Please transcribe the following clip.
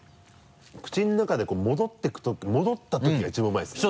口の中でこう戻ったときが一番うまいですね。